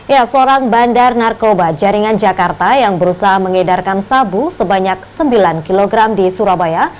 ya seorang bandar narkoba jaringan jakarta yang berusaha mengedarkan sabu sebanyak sembilan kg di surabaya